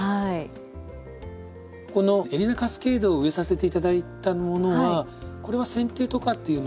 このエリナカスケードを植えさせて頂いたものはこれはせん定とかっていうのは？